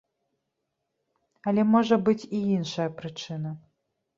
Але можа быць і іншая прычына.